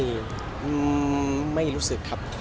ไม่รู้สึกครับ